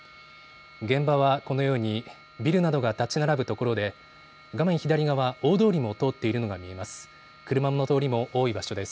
現場はこのようにビルなどが建ち並ぶところで画面左側、大通りも通っているのが見えます。